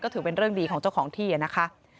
ถือเป็นเรื่องดีของเจ้าของที่นะคะ